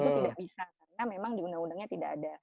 itu tidak bisa karena memang di undang undangnya tidak ada